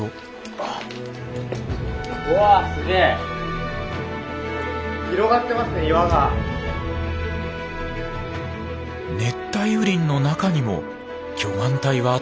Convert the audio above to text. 熱帯雨林の中にも巨岩帯はあったんです。